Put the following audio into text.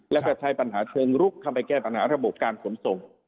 เราใช้ปัญหาเชิงรุกการแก้ปัญหาระบบการส่งส่ง